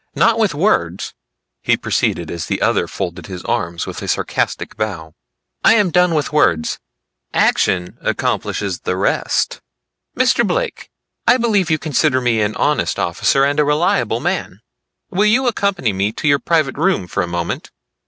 Not with words," he proceeded as the other folded his arms with a sarcastic bow. "I am done with words; action accomplishes the rest. Mr. Blake I believe you consider me an honest officer and a reliable man. Will you accompany me to your private room for a moment?